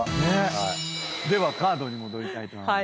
ではカードに戻りたいと思います。